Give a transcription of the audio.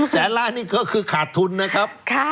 แสนล้านนี่ก็คือขาดทุนนะครับ